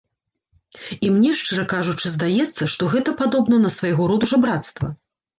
І мне, шчыра кажучы, здаецца, што гэта падобна на свайго роду жабрацтва.